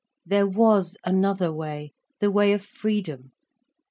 There was another way, the way of freedom.